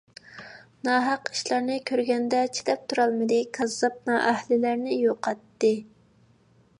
ناھەق ئىشلارنى كۆرگەندە چىداپ تۇرالمىدى، كاززاپ، نائەھلىلەرنى يوقاتتى.